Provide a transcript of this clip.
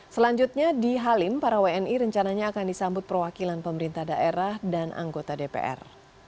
selanjutnya di halim para wni rencananya akan disambut perwakilan pemerintah daerah dan anggota dpr